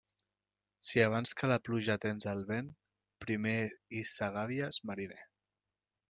Si abans que la pluja tens el vent, primer hissa gàbies, mariner.